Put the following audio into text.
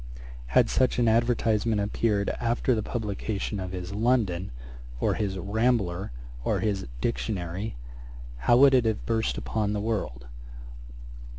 Had such an advertisement appeared after the publication of his London, or his Rambler, or his Dictionary, how would it have burst upon the world!